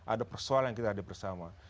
ada persoalan yang kita hadapi bersama